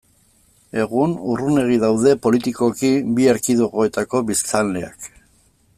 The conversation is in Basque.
Egun, urrunegi daude politikoki bi erkidegoetako biztanleak.